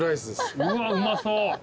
うわっうまそう。